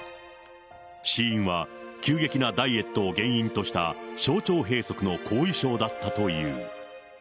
死因は、急激なダイエットを原因とした、小腸閉塞の後遺症だったという。